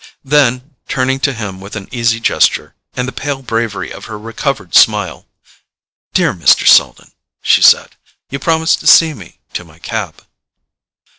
Then, turning to him with an easy gesture, and the pale bravery of her recovered smile—"Dear Mr. Selden," she said, "you promised to see me to my cab."